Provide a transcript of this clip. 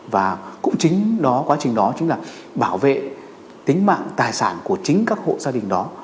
và cũng chính quá trình đó chính là bảo vệ tính mạng tài sản của chính các hộ gia đình đó